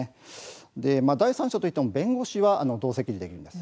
第三者といっても弁護士は同席できます。